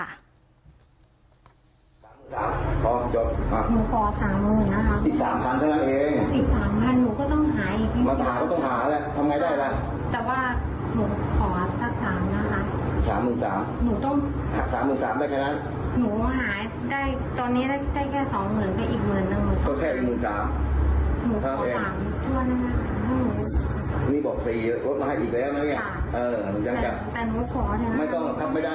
หาสามหมื่นสามนะครับสามหมื่นสามสามหมื่นสามใดคะ